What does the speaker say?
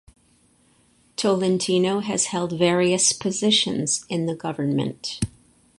Tolentino has held various positions in the government.